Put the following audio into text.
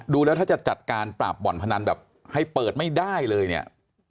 ดูแล้วถ้าจะจัดการปราบบ่อนพนันแบบให้เปิดไม่ได้เลยเนี่ย